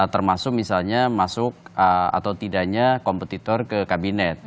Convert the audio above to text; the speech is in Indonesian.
termasuk misalnya masuk atau tidaknya kompetitor ke kabinet